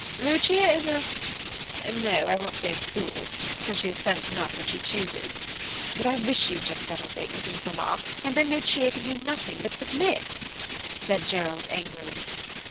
"Lucia is a no, I won't say fool, because she has sense enough when she chooses; but I wish you'd just settle things with Mamma, and then Lucia can do nothing but submit," said Gerald angrily.